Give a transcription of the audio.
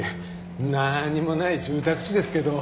何にもない住宅地ですけど。